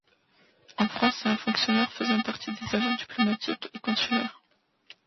En France, c’est un fonctionnaire faisant partie des agents diplomatiques et consulaires.